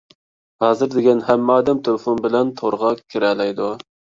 ھازىر دېگەن ھەممە ئادەم تېلېفون بىلەن تورغا كىرەلەيدۇ.